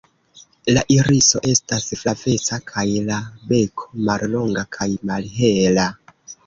La iriso estas flaveca kaj la beko mallonga kaj malhela.